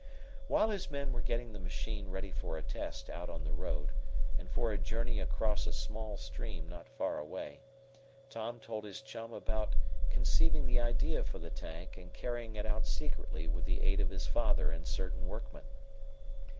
While his men were getting the machine ready for a test out on the road, and for a journey across a small stream not far away, Tom told his chum about conceiving the idea for the tank and carrying it out secretly with the aid of his father and certain workmen.